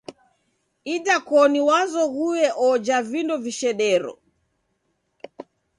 Idakoni wazoghue oja vindo vishedero.